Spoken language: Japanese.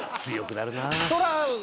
強くなるな。